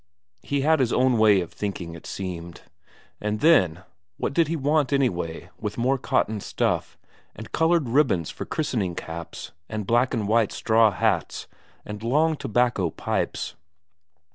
He had his own way of thinking, it seemed. And then, what did he want, anyway, with more cotton stuff, and coloured ribbons for christening caps, and black and white straw hats, and long tobacco pipes?